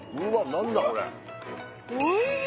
何だこれ？